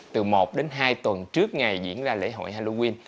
từ một đến hai tuần trước ngày diễn ra lễ hội halloween